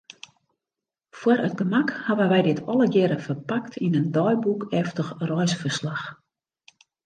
Foar it gemak hawwe wy dit allegearre ferpakt yn in deiboekeftich reisferslach.